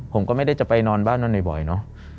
ผมก็ไม่ได้จะไปนอนบ้านนั้นบ่อยเนอะ